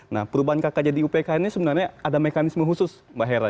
nah perubahan kk jadi iupk ini sebenarnya ada mekanisme khusus mbak hera